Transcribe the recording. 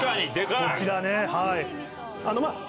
こちらねはい。